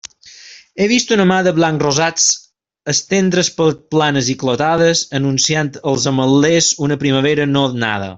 He vist una mar de blancs-rosats estendre's per planes i clotades, anunciant els ametllers una primavera no nada.